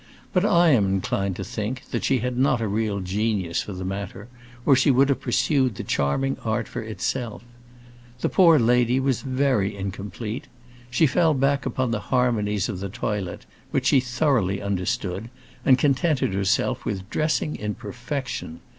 But I am inclined to think that she had not a real genius for the matter, or she would have pursued the charming art for itself. The poor lady was very incomplete. She fell back upon the harmonies of the toilet, which she thoroughly understood, and contented herself with dressing in perfection.